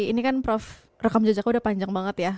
ini kan prof rekam jejaknya udah panjang banget ya